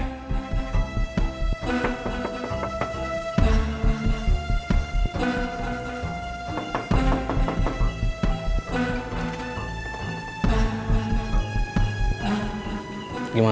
udah kebert pagan disini aja